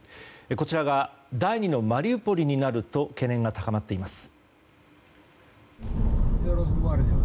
こちらが第２のマリウポリになると懸念が高まっています。